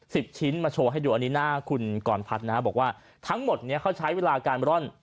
สิบชิ้นมาโชว์ให้ดูอันนี้หน้าคุณกรพัฒน์นะฮะบอกว่าทั้งหมดเนี้ยเขาใช้เวลาการร่อน